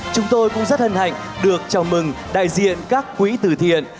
chúng tôi cũng rất hân hạnh được chào mừng đại diện các quỹ từ thiện